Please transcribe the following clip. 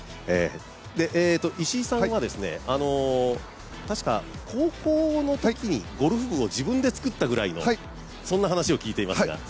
石井さんは確か高校の時にゴルフ部を自分で作ったぐらいのそんな話を聞いていますが。